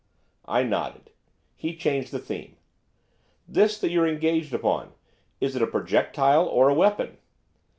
I nodded. He changed the theme. 'This that you're engaged upon, is it a projectile or a weapon?